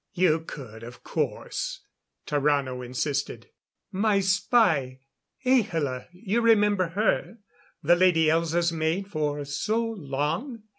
"You could, of course," Tarrano insisted. "My spy, Ahla you remember her, the Lady Elza's maid for so long?